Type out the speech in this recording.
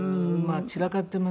散らかってます。